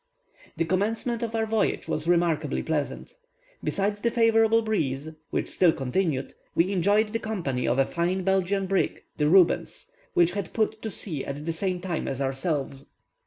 The commencement of our voyage was remarkably pleasant. Besides the favourable breeze, which still continued, we enjoyed the company of a fine Belgian brig, the Rubens, which had put to sea at the same time as ourselves.